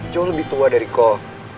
jauh lebih tua dari kol